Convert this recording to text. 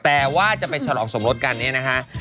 แต่ว่าจะไปฉลองสมรสกันเนี่ยนะฮะ